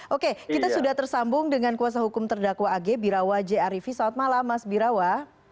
oke kita sudah tersambung dengan kuasa hukum terdakwa ag birawa j arifi selamat malam mas birawa